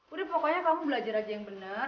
udah pokoknya kamu belajar aja yang benar